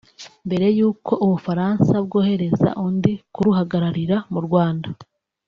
Mbere y’uko u Bufaransa bwohereza undi kuruhagararira mu Rwanda